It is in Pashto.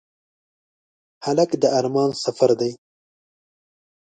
هلک د ارمان سفر دی.